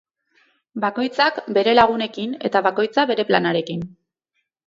Bakoitza bere lagunekin eta bakoitza bere planarekin.